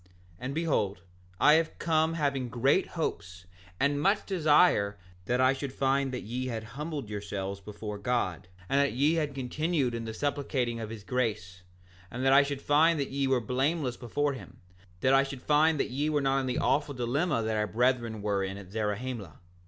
7:3 And behold, I have come having great hopes and much desire that I should find that ye had humbled yourselves before God, and that ye had continued in the supplicating of his grace, that I should find that ye were blameless before him, that I should find that ye were not in the awful dilemma that our brethren were in at Zarahemla.